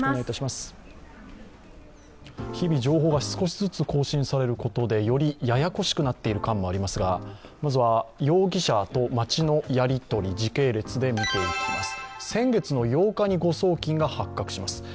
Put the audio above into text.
日々情報が少しずつ更新されることで、よりややこしくなってる感もありますが、まずは容疑者と町のやり取りを時系列で見ていきます。